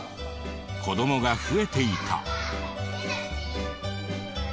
子どもが増えていた。